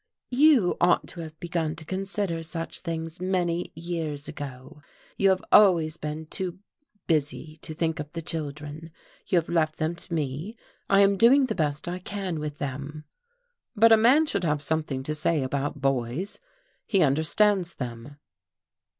"You ought to have begun to consider such things many years ago. You have always been too busy to think of the children. You have left them to me. I am doing the best I can with them." "But a man should have something to say about boys. He understands them."